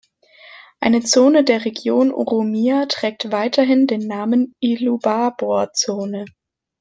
Eine Zone der Region Oromia trägt weiterhin den Namen Illubabor-Zone.